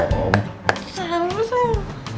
sa bangun saur